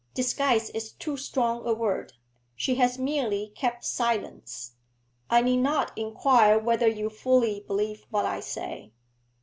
Disguise is too strong a word; she has merely kept silence. I need not inquire whether you fully believe what I say.'